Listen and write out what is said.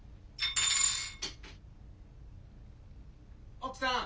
・奥さん